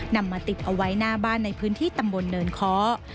นำมาติดเอาไว้หน้าบ้านในพื้นที่ตำบลเนินค้อ